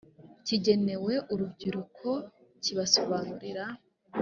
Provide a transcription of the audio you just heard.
kigenewe urubyiruko kibasobanurira